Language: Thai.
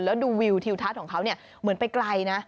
แล้วดูวิวทิวทัศน์ของเขาเนี่ยเหมือนไปไกลนะ